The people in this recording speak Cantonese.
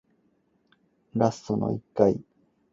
警方記者會時江永祥支吾以對